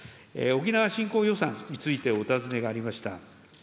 沖縄振興予算についてお尋ねがありました。